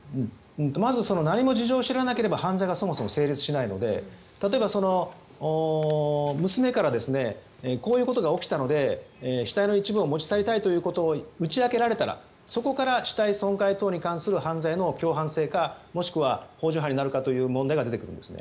まず、何も事情を知らなければ犯罪がそもそも成立しないので例えば娘からこういうことが起きたので死体の一部を持ち去りたいということを打ち明けられたらそこから死体損壊等に関する犯罪の共犯性かもしくはほう助犯になるかという問題が出てきます。